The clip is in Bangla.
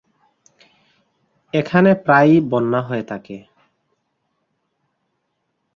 এখানে প্রায়ই বন্যা হয়ে থাকে।